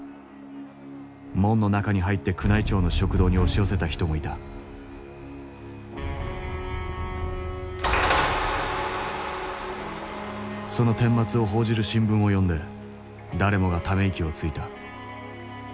門の中に入って宮内庁の食堂に押し寄せた人もいたその顛末を報じる新聞を読んで誰もがため息をついた。